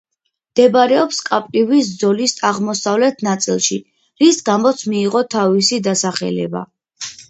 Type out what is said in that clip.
მდებარეობს კაპრივის ზოლის აღმოსავლეთ ნაწილში, რის გამოც მიიღო თავისი დასახელება.